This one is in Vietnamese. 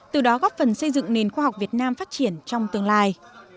từ đó góp phần xây dựng nền khoa học việt nam phát triển trong tương lai